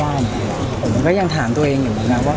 ผมก็ยังถามตัวเองอย่างนี้นะว่า